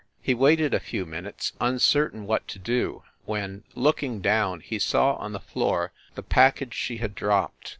He waited a few minutes, uncertain what to do, when, looking down, he saw on the floor the package she had dropped.